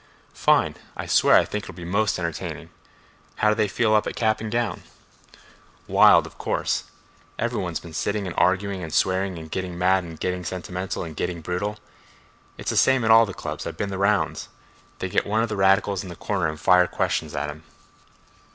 "Fine! I swear I think it'll be most entertaining. How do they feel up at Cap and Gown?" "Wild, of course. Every one's been sitting and arguing and swearing and getting mad and getting sentimental and getting brutal. It's the same at all the clubs; I've been the rounds. They get one of the radicals in the corner and fire questions at him."